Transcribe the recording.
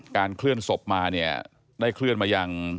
เคลื่อนศพมาเนี่ยได้เคลื่อนมายัง